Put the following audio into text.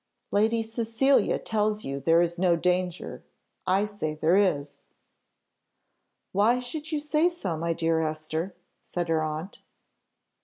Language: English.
"Lady Cecilia tells you there is no danger; I say there is." "Why should you say so, my dear Esther?" said her aunt.